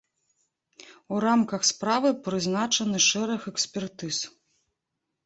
У рамках справы прызначаны шэраг экспертыз.